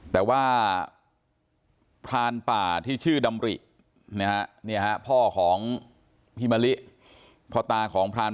แต่ว่าพรานป่าที่ชื่อดำริพ่อของพี่มะลิพ่อตาของพราน